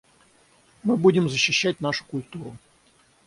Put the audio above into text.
Мы будем защищать нашу культуру.